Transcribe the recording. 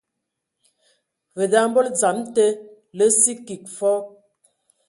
Vǝ da mbol dzam te lǝ sǝ kig fɔɔ.